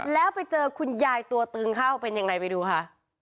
แล้วไปเจอคุณยายตัวตึงเข้าเป็นยังไงไปดูค่ะ